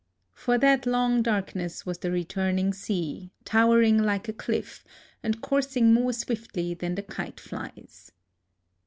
For that long darkness was the returning sea, towering like a cliff, and coursing more swiftly than the kite flies.